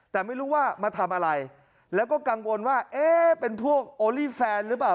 แต่ไม่รู้ว่ามาทำอะไรแล้วก็กังวลว่าเอ๊ะเป็นพวกโอลี่แฟนหรือเปล่า